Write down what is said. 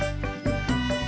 aku mau berbual